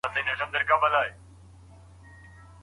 ایا تکړه پلورونکي شین ممیز اخلي؟